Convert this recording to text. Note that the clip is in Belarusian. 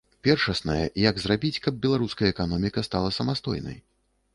Першаснае, як зрабіць, каб беларуская эканоміка стала самастойнай.